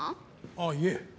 あぁいえ。